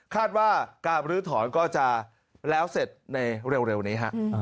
คาดว่าการบรื้อถอนก็จะแล้วเสร็จในเร็วนี้ฮะ